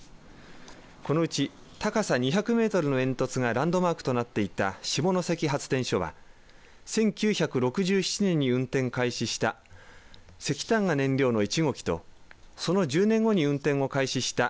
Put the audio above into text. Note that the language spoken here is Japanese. このうち高さ２００ｍの煙突がランドマークとなっていた下関発電所は１９６７年に運転開始した石炭が燃料の１号機とその１０年後に運転を開始した